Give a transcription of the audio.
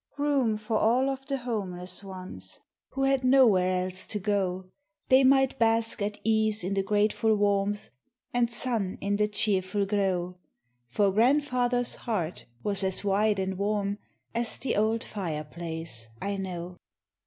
Room for all of the homeless ones Who had nowhere else to go; They might bask at ease in the grateful warmth And sun in the cheerful glow, For Grandfather's heart was as wide and warm As the old fireplace, I know.